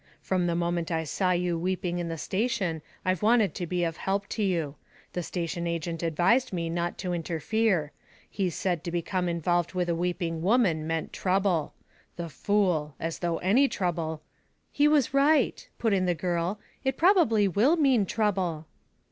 "From the moment I saw you weeping in the station I've wanted to be of help to you. The station agent advised me not to interfere. He said to become involved with a weeping woman meant trouble. The fool. As though any trouble " "He was right," put in the girl, "it probably will mean trouble."